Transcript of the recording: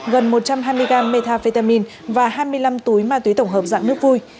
gần một trăm hai mươi gram metafetamine và hai mươi năm túi ma túy tổng hợp dạng nước vui